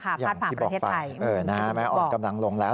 ภาษาภาคประเทศไทยบอกไปอย่างที่บอกไปแม้อ่อนกำลังลงแล้ว